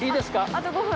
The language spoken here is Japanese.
あと５分。